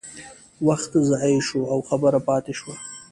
وخت ضایع شو او خبره پاتې شوه.